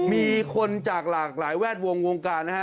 มีคนจากหลากหลายแวดวงวงการนะฮะ